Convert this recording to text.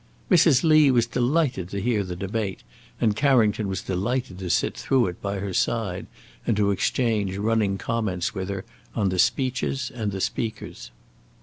Mrs. Lee was delighted to hear the debate, and Carrington was delighted to sit through it by her side, and to exchange running comments with her on the speeches and the speakers.